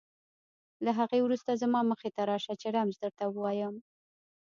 له هغې وروسته زما مخې ته راشه چې رمز درته ووایم.